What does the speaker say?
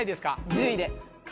１０位で。